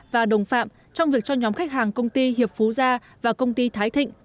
và đồng phạm trong việc cho nhóm khách hàng công ty hiệp phú gia và công ty thái thịnh